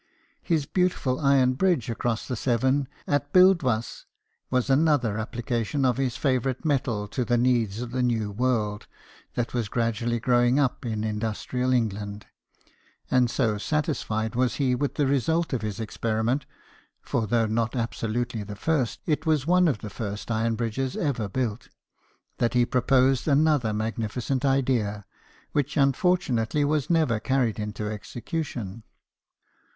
His beautiful iron bridge across the Severn at Buildwas was another application of his favourite metal to the needs of the new world that was gradually growing up in industrial England ; and so satisfied was he with the result of his experiment (for though not abso lutely the first, it was one of the first iron bridges ever built) that he proposed another magnificent idea, which unfortunately was never carried into execution.